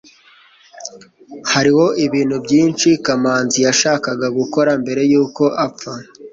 hariho ibintu byinshi kamanzi yashakaga gukora mbere yuko apfa